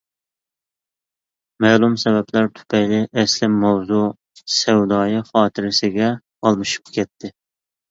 مەلۇم سەۋەبلەر تۈپەيلى ئەسلى ماۋزۇ سەۋدايى خاتىرىسىگە ئالمىشىپ كەتتى.